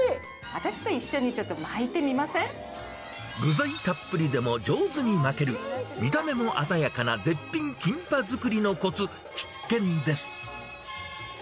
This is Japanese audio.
私と一緒にちょっと巻いてみ具材たっぷりでも上手に巻ける、見た目も鮮やかな絶品キンパ作りのこつ、必見です。